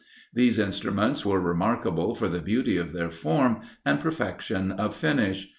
These instruments were remarkable for the beauty of their form, and perfection of finish.